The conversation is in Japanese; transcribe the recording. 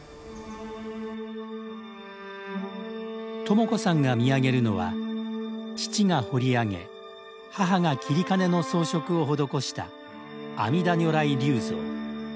朋子さんが見上げるのは父が彫り上げ母が截金の装飾を施した「阿弥陀如来立像」。